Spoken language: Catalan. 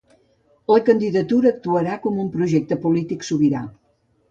La candidatura actuarà com un projecte polític sobirà.